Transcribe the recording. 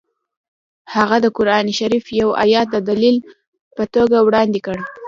هغه د قران شریف یو ایت د دلیل په توګه وړاندې کړ